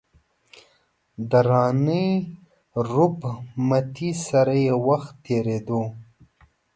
د راني روپ متي سره یې وخت تېرېدو.